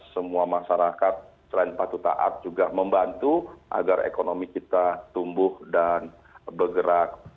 semua masyarakat selain patuh taat juga membantu agar ekonomi kita tumbuh dan bergerak